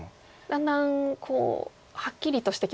だんだんはっきりとしてきましたね。